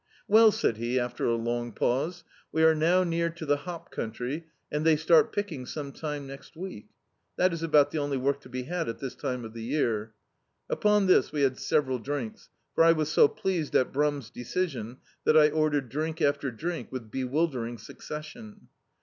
"Well," said he, after a long pause, "we are now near to the hop country, and they start pick ing sometime next week; that is about the only work to be had at this time of the year." Upon this we had several drinks, for I was so pleased at Brum's decision, that I ordered drink after drink with bewildering succession.